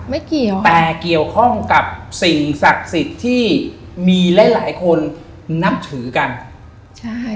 ไม่เกี่ยวแต่เกี่ยวข้องกับสิ่งศักดิ์สิทธิ์ที่มีหลายหลายคนนับถือกันใช่